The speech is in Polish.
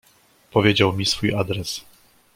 "Powiedział mi swój adres."